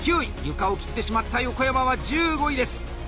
床を切ってしまった横山は１５位です。